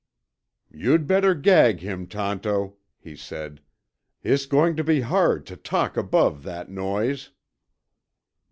"You'd better gag him, Tonto," he said. "It's going to be hard to talk above that noise."